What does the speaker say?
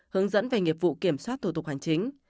hướng dẫn về nghiệp vụ kiểm soát thủ tục hành chính